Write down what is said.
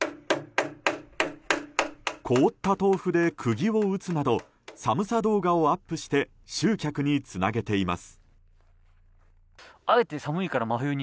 凍った豆腐でくぎを打つなど寒さ動画をアップして集客につなげています。